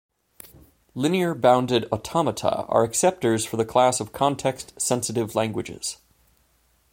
Linear bounded automata are acceptors for the class of context-sensitive languages.